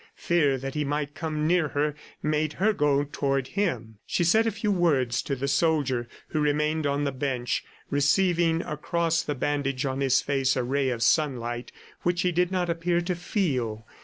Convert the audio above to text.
Fear that he might come near her, made her go toward him. She said a few words to the soldier who remained on the bench, receiving across the bandage on his face a ray of sunlight which he did not appear to feel.